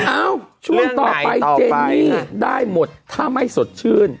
เอ้าช่วงต่อไปเจนี่ได้หมดถ้าไม่สดชื่น